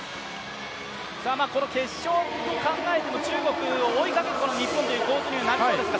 この決勝を考えても中国を追いかける日本という構図になりそうですか。